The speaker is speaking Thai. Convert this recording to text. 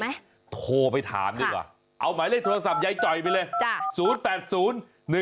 โทรถามไหมโทรไปถามดีกว่าเอาหมายเลขโทรศัพท์ย้ายจ่อยไปเลย